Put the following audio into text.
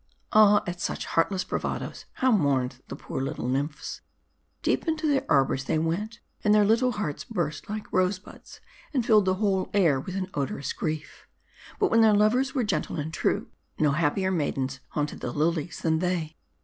Ah ! at such heartless bravadoes, how mourned the poor little nymphs. Deep into their arbors they went ; and their little hearts 326 M A R D I. burst like rose buds, and filled the whole air with an odorous grief. But when thek lovers were gentle and true, no hap pier maidens haunted the lilies than they.